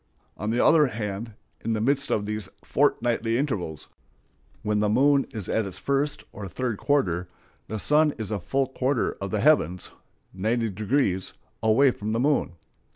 On the other hand, in the midst of these fortnightly intervals, when the moon is at its first or third quarter, the sun is a full quarter of the heavens (90°) away from the moon.